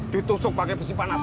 ditusuk pake besi panas